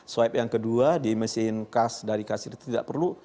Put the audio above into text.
swab yang kedua di mesin kas dari kasir itu tidak perlu